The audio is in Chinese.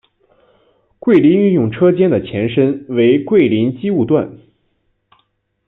桂林运用车间的前身为桂林机务段。